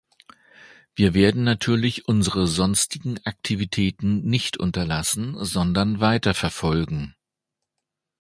Wir werden natürlich unsere sonstigen Aktivitäten nicht unterlassen, sondern weiterverfolgen.